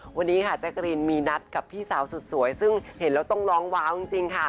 วันนี้ค่ะแจ๊กรีนมีนัดกับพี่สาวสุดสวยซึ่งเห็นแล้วต้องร้องว้าวจริงค่ะ